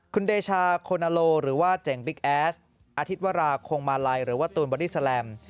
คุณเดชาโคนาโลหรือว่าเจ๋งบิ๊กแอสอาทิตย์วราคงมาลัยหรือว่าตูนบอดี้แลม